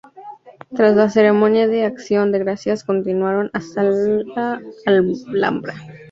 Tras la ceremonia de Acción de Gracias continuaron hasta la Alhambra.